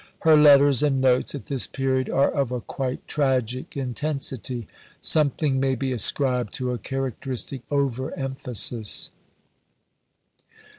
Her letters and notes at this period are of a quite tragic intensity. Something may be ascribed to a characteristic over emphasis.